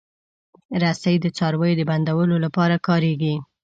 رسۍ د څارویو د بندولو لپاره کارېږي.